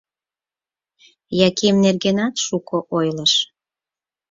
Яким нергенат шуко ойлыш.